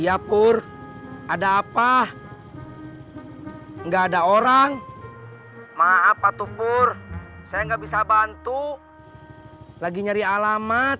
iya pur ada apa enggak ada orang maaf atuh pur saya nggak bisa bantu lagi nyari alamat